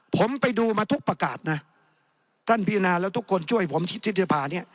ผมไปดูมาทุกประกาศนะท่านพิจารณาแล้วทุกคนช่วยผมทิศภาเนี่ย